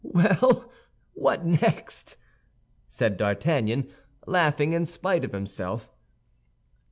"Well, what next?" said D'Artagnan, laughing in spite of himself.